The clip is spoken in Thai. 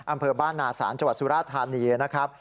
อำเภอบ้านนาศาลจสุรธารณีย์นะครับ